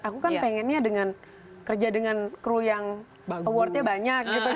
aku kan pengennya dengan kerja dengan kru yang awardnya banyak gitu